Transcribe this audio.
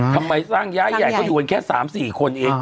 ทำไมสร้างย้ายใหญ่ก็อยู่กันแค่๓๔คนเอง